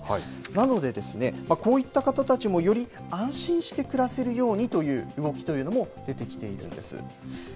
なので、こういった方たちもより安心して暮らせるようにという動きというのも出てきているんです。